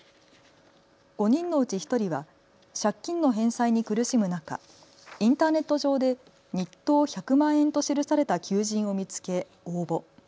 ５人のうち１人は借金の返済に苦しむ中、インターネット上で日当１００万円と記された求人を見つけ応募。